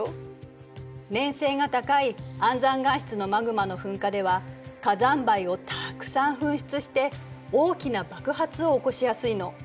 粘性が高い安山岩質のマグマの噴火では火山灰をたくさん噴出して大きな爆発を起こしやすいの。